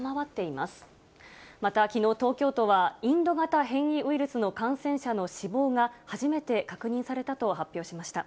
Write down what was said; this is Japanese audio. またきのう、東京都はインド型変異ウイルスの感染者の死亡が初めて確認されたと発表しました。